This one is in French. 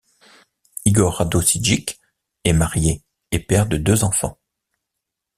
Igor Radojičić est marié et père de deux enfants.